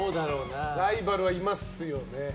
ライバルはいますよね。